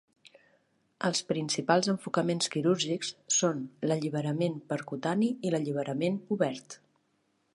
Els principals enfocaments quirúrgics són l'alliberament percutani i l'alliberament obert.